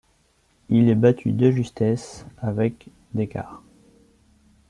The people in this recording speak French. Il est battu de justesse, avec d'écart.